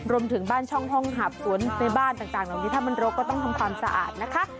รวมถึงบ้านช่องห้องหาบสวนในบ้านต่างเหล่านี้ถ้ามันรกก็ต้องทำความสะอาดนะคะ